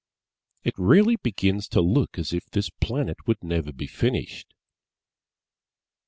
It really begins to look as if this Planet would never be finished.